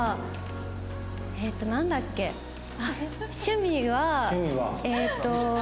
趣味はえーっと。